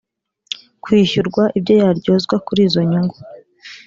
kwishyurwa ibyo yaryozwa kuri izo nyungu